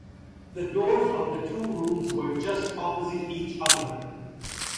The doors of the two rooms were just opposite each other.